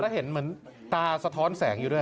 เห็นเหมือนตาสะท้อนแสงอยู่ด้วย